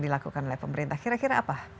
dilakukan oleh pemerintah kira kira apa